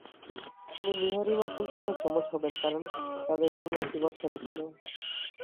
তিনি মিহরিমা সুলতানের যমজ হবেন কারণ তাদের জন্ম একই বছরে ছিল।